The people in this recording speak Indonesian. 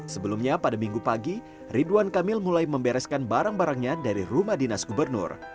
sebelumnya pada minggu pagi ridwan kamil mulai membereskan barang barangnya dari rumah dinas gubernur